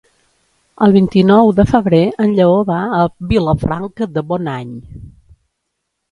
El vint-i-nou de febrer en Lleó va a Vilafranca de Bonany.